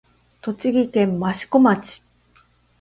栃木県益子町